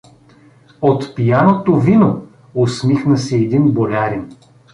— От пияното вино — усмихна се един болярин.